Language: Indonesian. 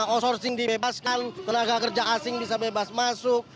outsourcing dibebaskan tenaga kerja asing bisa bebas masuk